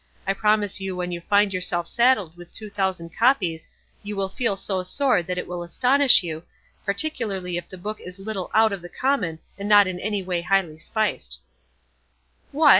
I promise you when you find yourself saddled with two thousand copies you will feel so sore that it will astonish you, particularly if the book is a little out of the common and not in any way highly spiced." "What!"